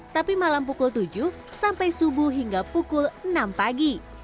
tapi malam pukul tujuh sampai subuh hingga pukul enam pagi